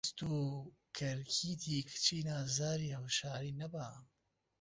دەست و کەرکیتی کچی نازداری هەوشاری نەبا